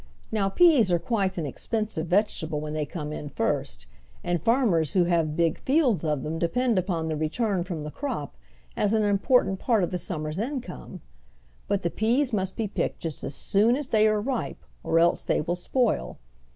Now, peas are quite an expensive vegetable when they come in first, and farmers who have big fields of them depend upon the return from the crop as an important part of the summer's income. But the peas must be picked just as soon as they are ripe, or else they will spoil.